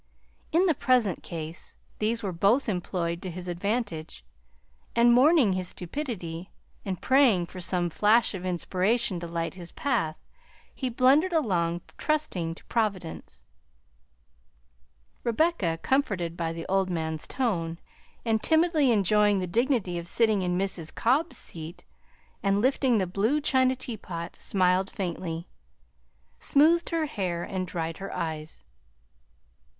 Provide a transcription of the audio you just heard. In the present case these were both employed to his advantage, and mourning his stupidity and praying for some flash of inspiration to light his path, he blundered along, trusting to Providence. Rebecca, comforted by the old man's tone, and timidly enjoying the dignity of sitting in Mrs. Cobb's seat and lifting the blue china teapot, smiled faintly, smoothed her hair, and dried her eyes.